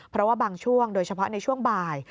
เพราะว่าบางช่วงโดยเฉพาะในช่วงบ่าย